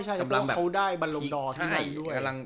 ใช่เพราะเขาได้บรรลงดอที่นั่นด้วย